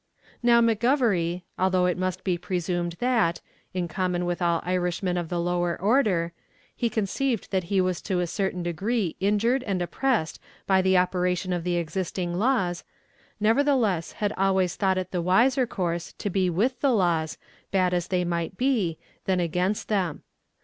Now McGovery, although it must be presumed that, in common with all Irishmen of the lower order, he conceived that he was to a certain degree injured and oppressed by the operation of the existing laws, nevertheless had always thought it the wiser course to be with the laws, bad as they might be, than against them.